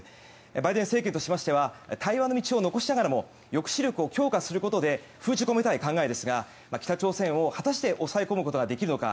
バイデン政権としましては対話の道を残しながらも抑止力を強化することで封じ込めたい考えですが北朝鮮を果たして抑え込むことができるのか